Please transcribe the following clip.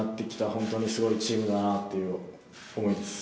本当にすごいチームだなと思います。